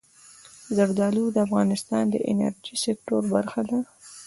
زردالو د افغانستان د انرژۍ سکتور برخه ده.